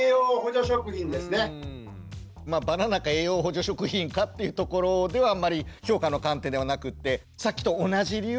バナナか栄養補助食品かっていうところではあんまり評価の観点ではなくってさっきと同じ理由で２点ということで。